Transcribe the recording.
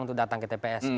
untuk datang ke tps